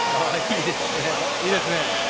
いいですね。